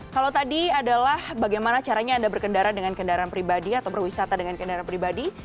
kalau tadi adalah bagaimana caranya anda berkendara dengan kendaraan pribadi atau berwisata dengan kendaraan pribadi